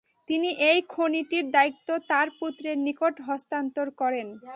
তিনি এই খনিটির দায়িত্ব তার পুত্রের নিকট হস্তান্তর করেন।